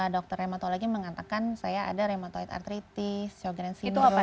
dokter reumatologi mengatakan saya ada reumatoid artritis sjogren's syndrome